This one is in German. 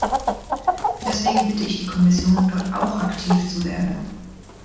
Deswegen bitte ich die Kommission, dort auch aktiv zu werden.